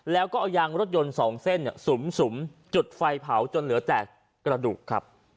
แล้วก็เอายางรถยนต์๒เส้นสุมจุดไฟเผาจนเหลือแต่กระดูกครับ